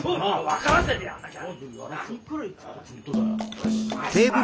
分からせてやらなきゃ。